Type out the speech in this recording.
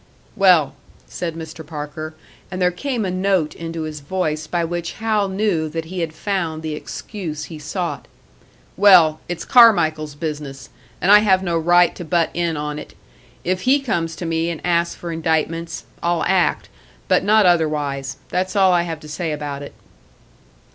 "Well," said Mr. Parker and there came a note into his voice by which Hal knew that he had found the excuse he sought "Well, it's Carmichael's business, and I have no right to butt in on it. If he comes to me and asks for indictments, I'll act but not otherwise. That's all I have to say about it."